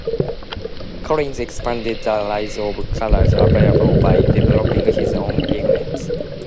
Collins expanded the array of colors available by developing his own pigments.